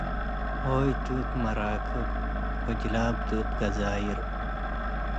ሆይ ቱ እት መራክብ ወጅላብቱ እት ገዛይር